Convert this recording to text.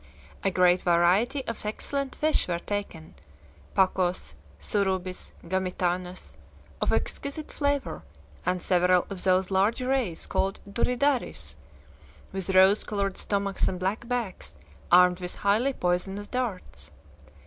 A great variety of excellent fish were taken "pacos," "surubis," "gamitanas," of exquisite flavor, and several of those large rays called "duridaris," with rose colored stomachs and black backs armed with highly poisonous darts.